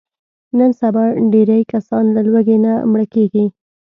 نن سبا ډېری کسان له لوږې نه مړه کېږي.